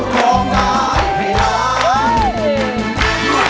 ก่อนกันไหม